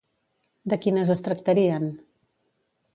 De quines es tractarien?